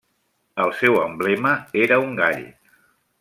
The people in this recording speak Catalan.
El seu emblema era un gall.